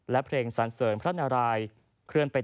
และเพลงสันเสริญพระนาราย